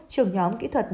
trưởng nhóm kỹ thuật